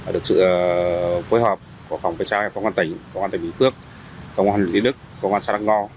được sự phối hợp của phòng phía xã công an tỉnh công an tỉnh bình phước công an lý đức công an xã đắc ngo